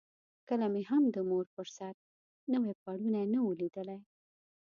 کله مې هم د مور پر سر نوی پوړونی نه وو لیدلی.